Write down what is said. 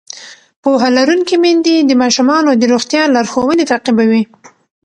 پوهه لرونکې میندې د ماشومانو د روغتیا لارښوونې تعقیبوي.